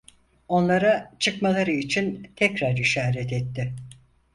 Onlara, çıkmaları için, tekrar işaret etti.